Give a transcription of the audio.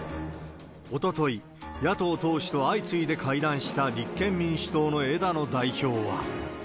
おととい、野党党首と相次いで会談した立憲民主党の枝野代表は。